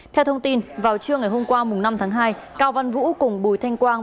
theo thông tin vào trưa ngày hôm qua năm tháng hai cao văn vũ cùng bùi thanh quang